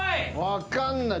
分かんない。